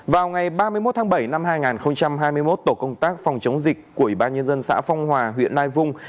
vào ngày ba mươi một tháng bảy năm hai nghìn hai mươi một tổ công tác phòng chống dịch của ủy ban nhân dân xã phong hòa huyện lai vung